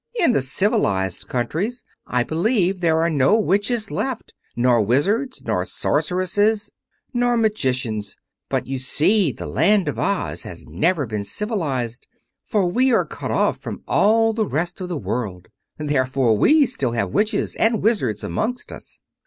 In the civilized countries I believe there are no witches left, nor wizards, nor sorceresses, nor magicians. But, you see, the Land of Oz has never been civilized, for we are cut off from all the rest of the world. Therefore we still have witches and wizards amongst us."